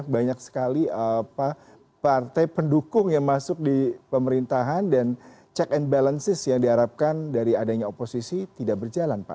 banyak sekali partai pendukung yang masuk di pemerintahan dan check and balances yang diharapkan dari adanya oposisi tidak berjalan pak